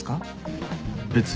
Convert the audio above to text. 別に。